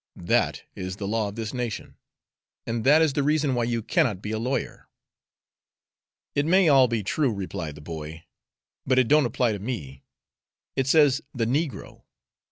That is the law of this nation, and that is the reason why you cannot be a lawyer." "It may all be true," replied the boy, "but it don't apply to me. It says 'the negro.'